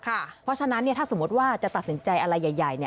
เพราะฉะนั้นถ้าสมมติว่าจะตัดสินใจอะไรใหญ่